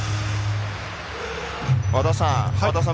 和田さん